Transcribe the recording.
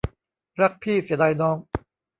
รักพี่เสียดายน้อง